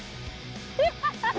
ハハハハ。